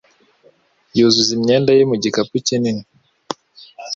Yuzuza imyenda ye mu gikapu kinini.